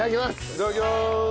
いただきます。